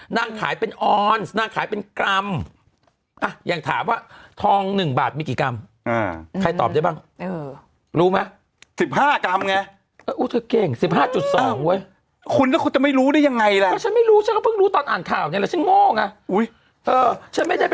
นางขายทองเป็นกรัมเพราะฉันจะหาว่านางกลวงไม่ได้